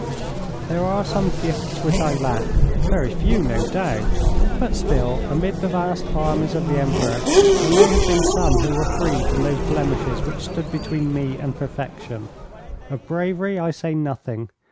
There are some gifts which I lack very few, no doubt but, still, amid the vast armies of the Emperor there may have been some who were free from those blemishes which stood between me and perfection. Of bravery I say nothing.